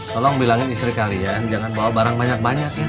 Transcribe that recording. tolong bilangin istri kalian jangan bawa barang banyak banyak ya